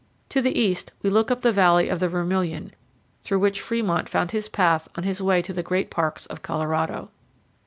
To the east we look up the valley of the Vermilion, through which Fremont found his path on his way to the great parks of Colorado.